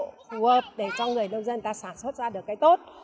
để cho người nông dân ta sản xuất ra được cái tốt